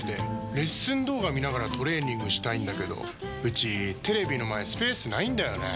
レッスン動画見ながらトレーニングしたいんだけどうちテレビの前スペースないんだよねー。